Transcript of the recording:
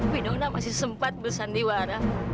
winona masih sempat bersandiwara